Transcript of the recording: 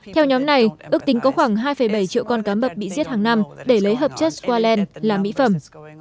theo nhóm này ước tính có khoảng hai bảy triệu con cá mập bị giết hàng năm để lấy hợp chất squalene làm mỹ phẩm